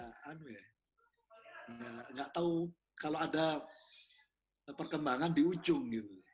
padahal betul betul kita kaget beneran kita betul betul gak tau kalau ada perkembangan di ujung